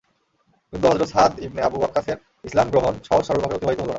কিন্তু হযরত Saad ibn Abu ওয়াক্কাসের ইসলাম গ্রহণ সহজ সরলভাবে অতিবাহিত হল না।